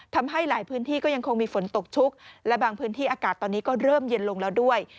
ทำให้หลายพื้นที่ก็ยังคงมีฝนตกชุกและบางพื้นที่อากาศตอนนี้ก็เริ่มเย็นลงแล้วด้วย